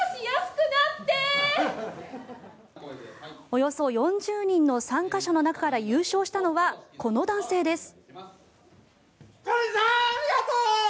およそ４０人の参加者の中から優勝したのはこの男性です。